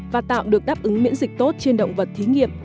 và tạo được đáp ứng miễn dịch tốt trên động vật thí nghiệm